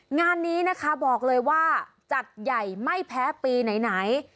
งานนี้นะคะบอกเลยว่าจัดใหญ่ไม่แพ้ปีไหน